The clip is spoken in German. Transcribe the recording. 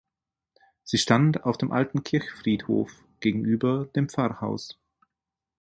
Sie stand auf dem alten Kirchfriedhof gegenüber dem Pfarrhaus.